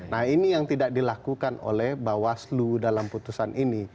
nah ini yang tidak dilakukan oleh bawaslu dalam putusan ini